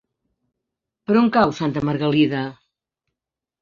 Per on cau Santa Margalida?